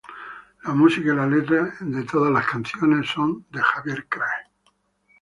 La música y la letra de todas las canciones es de Javier Krahe.